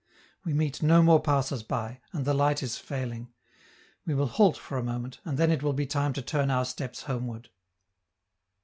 We meet no more passers by, and the light is failing. We will halt for a moment, and then it will be time to turn our steps homeward.